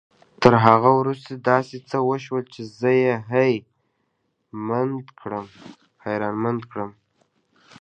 تر هغه وروسته داسې څه وشول چې زه يې هيλε مند کړم.